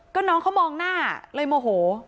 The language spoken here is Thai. ก็น้องเขามองหน้าเลยโมโห